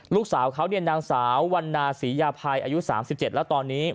ลูกสาวเขาเนี่ยนางสาววันนาศรียาภัยอายุ๓๗แล้วตอนนี้